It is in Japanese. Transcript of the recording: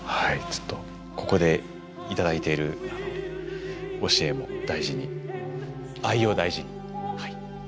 ちょっとここで頂いている教えも大事に愛を大事にはい。